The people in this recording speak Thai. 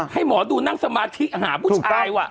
ให้หมอดูนั่งสมาธิหาผู้ชายว่ะ